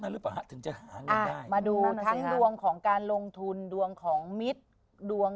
นั้นหรือเปล่าถึงจะมาดูทั้งดวงของการลงทุนดวงของมิตรดวง